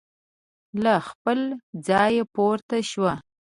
له خپل ځایه پورته شو.